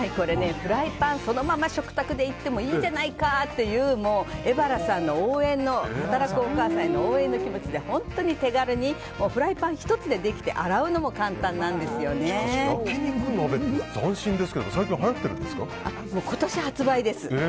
フライパンそのまま食卓でいってもいいじゃないかっていうエバラさんの働くお母さんへの応援の気持ちで本当に手軽にフライパン１つでできて焼き肉鍋って斬新ですけど今年発売です。